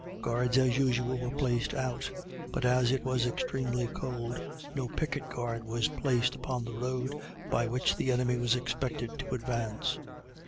Guards, as usual, were placed out; but as it was extremely cold, no picket guard was placed upon the road by which the enemy was expected to advance.